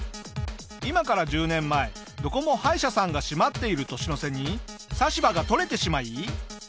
今から１０年前どこも歯医者さんが閉まっている年の瀬に差し歯が取れてしまい。